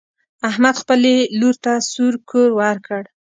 احمد خپلې لور ته سور کور ورکړ.